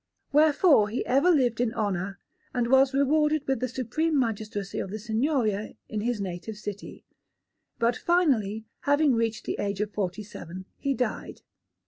Wherefore he ever lived in honour, and was rewarded with the supreme magistracy of the Signoria in his native city; but finally, having reached the age of forty seven, he died.